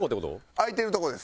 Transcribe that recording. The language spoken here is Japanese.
開いてるとこです。